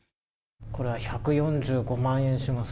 これは１４５万円します。